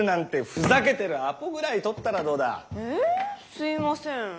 すいません。